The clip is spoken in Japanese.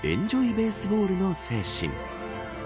ベースボールの精神。